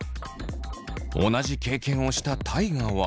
同じ経験をした大我は。